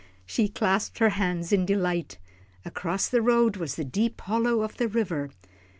and she clasped her hands in delight. Across the road was the deep hollow of the river.